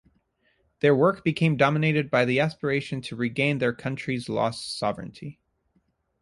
Their work became dominated by the aspiration to regain their country's lost sovereignty.